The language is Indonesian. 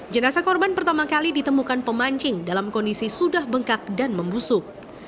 jenazah korban pertama kali ditemukan pemancing dalam kondisi sudah bengkak dan membusuk